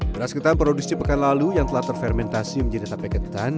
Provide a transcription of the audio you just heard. beras ketan produksi pekan lalu yang telah terfermentasi menjadi tata peketan